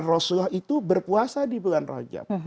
rasulullah itu berpuasa di bulan rajab